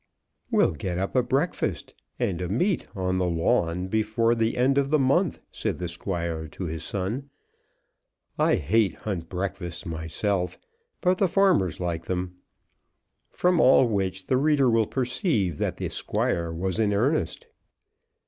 "We'll get up a breakfast and a meet on the lawn before the end of the month," said the Squire to his son. "I hate hunt breakfasts myself, but the farmers like them." From all which the reader will perceive that the Squire was in earnest.